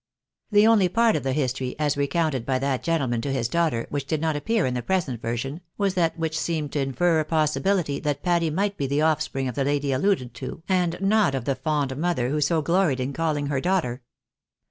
The only part of the history, as recounted by that gentleman to his daughter, which did not appear in the present version, was that which seemed to infer a possibility thait Patty might be the offspring of the lady alluded to, and not of the fond mother who so gloried in calling her daughter.